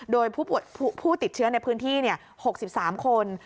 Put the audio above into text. โดยผู้ติดเชื้อในพื้นที่๖๓คน